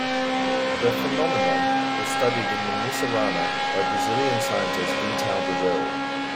The phenomenon was studied in the mussurana by the Brazilian scientist Vital Brazil.